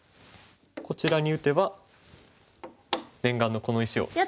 こちらに打てば念願のこの石を。